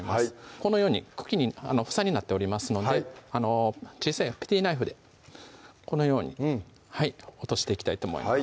このように茎に房になっておりますので小さいペティナイフでこのように落としていきたいと思います